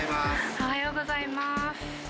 おはようございます。